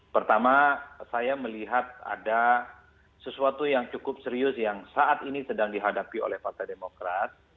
pertama saya melihat ada sesuatu yang cukup serius yang saat ini sedang dihadapi oleh partai demokrat